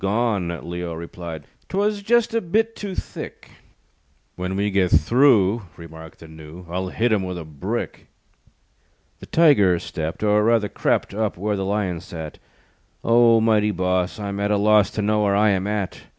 "Gone," Leo replied, "'Twas just a bit too thick." "When we get through," Remarked the Gnu, "I'll hit him with a brick." The Tiger stepped, Or, rather, crept, Up where the Lion sat. "O, mighty boss I'm at a loss To know where I am at.